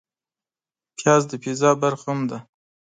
پیاز د پیزا برخه هم ده